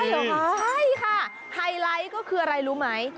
ใช่ค่ะไฮไลท์ก็คืออะไรรู้ไหม